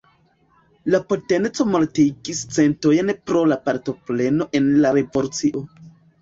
La potenco mortigis centojn pro la partopreno en la revolucio.